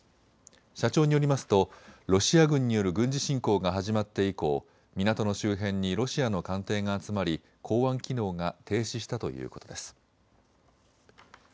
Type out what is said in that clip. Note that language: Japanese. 社長によりますとロシア軍による軍事侵攻が始まって以降、港の周辺にロシアの艦艇が集まり港湾機能が停止したということです。